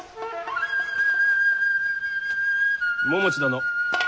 百地殿。